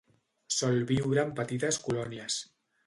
Sol viure en petites colònies.